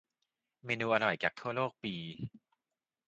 เมนูอร่อยจากทั่วโลกปี